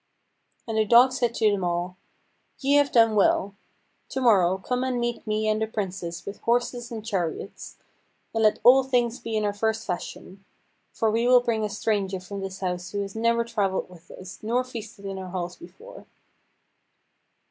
And the dog said to them all: "Ye have done well. To morrow come and meet me and the Princess with horses and chariots, and let all things be in our first fashion: for we will bring a stranger from this house who has never travelled with us, nor feasted in our halls before."